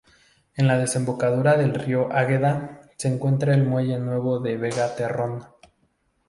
En la desembocadura del río Águeda se encuentra el muelle nuevo de Vega Terrón.